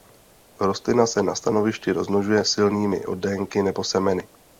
Rostlina se na stanovišti rozmnožuje silnými oddenky nebo semeny.